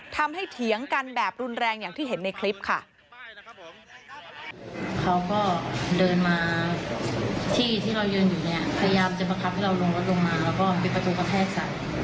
เถียงกันแบบรุนแรงอย่างที่เห็นในคลิปค่ะ